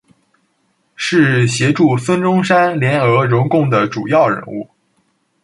是协助孙中山联俄容共的主要人物。